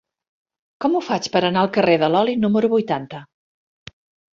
Com ho faig per anar al carrer de l'Oli número vuitanta?